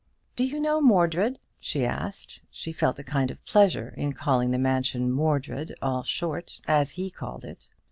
"Do you know Mordred?" she asked. She felt a kind of pleasure in calling the mansion "Mordred," all short, as he called it.